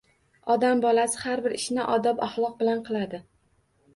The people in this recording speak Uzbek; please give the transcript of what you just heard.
Odam bolasi har bir ishni odob-axloq bilan qiladi.